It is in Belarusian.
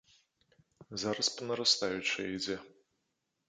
Зараз па нарастаючай ідзе.